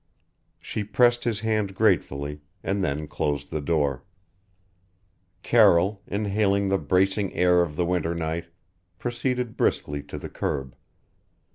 She pressed his hand gratefully, and then closed the door. Carroll, inhaling the bracing air of the winter night, proceeded briskly to the curb.